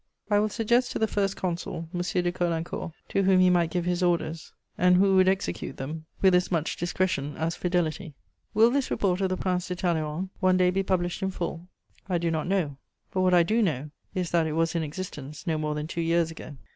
I will suggest to the First Consul M. de Caulaincourt, to whom he might give his orders, and who would execute them with as much discretion as fidelity." Will this report of the Prince de Talleyrand one day be published in full? I do not know; but what I do know is that it was in existence no more than two years ago.